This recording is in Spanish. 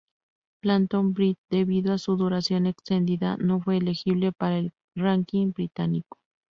Phantom Bride, debido a su duración extendida, no fue elegible para el ranking británico.